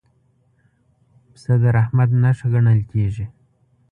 پسه د رحمت نښه ګڼل کېږي.